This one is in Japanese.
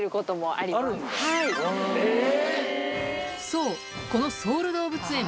そうこのソウル動物園